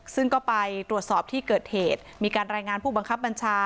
ซึ่งก็ไปตรวจสอบที่เกิดเหตุมีการรายงานผู้บังคับบัญชา